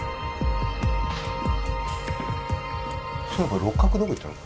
そういえば六角どこ行ったの？